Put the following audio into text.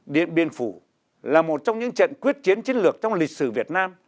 điện biên phủ là một trong những trận quyết chiến chiến lược trong lịch sử việt nam